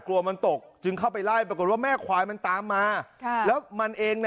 กลัวมันตกจึงเข้าไปไล่ปรากฏว่าแม่ควายมันตามมาค่ะแล้วมันเองน่ะ